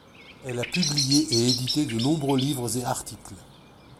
Elle a publié et édité de nombreux livres et articles.